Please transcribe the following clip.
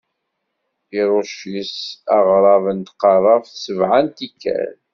Iṛucc yes-s aɣrab n tqeṛṛabt sebɛa n tikkal.